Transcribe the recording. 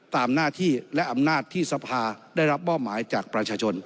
ตามหน้าที่และอำนาจที่สภาได้รับมอบหมายจากประชาชน